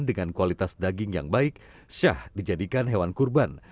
dengan kualitas daging yang baik syah dijadikan hewan kurban